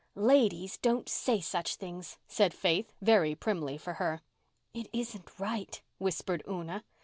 "Ladies don't say such things," said Faith, very primly for her. "It isn't right," whispered Una.